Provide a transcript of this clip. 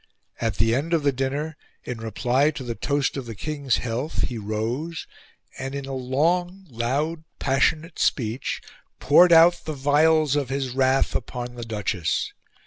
At the end of the dinner, in reply to the toast of the King's health, he rose, and, in a long, loud, passionate speech, poured out the vials of his wrath upon the Duchess.